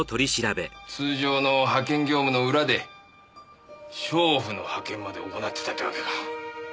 通常の派遣業務の裏で娼婦の派遣まで行ってたわけか。